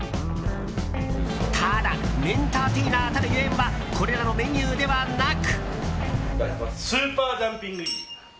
ただ、麺ターテイナーたるゆえんはこれらのメニューではなく。